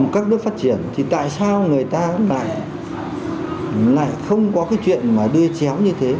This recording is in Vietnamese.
các nước phát triển thì tại sao người ta lại không có cái chuyện mà đưa chéo như thế